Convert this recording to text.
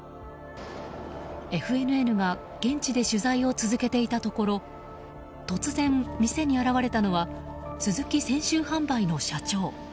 ＦＮＮが現地で取材を続けていたところ突然、店に現れたのはスズキ泉州販売の社長。